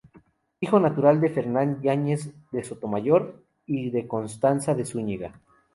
Hijo natural de Fernán Yáñez de Sotomayor y de Constanza de Zúñiga.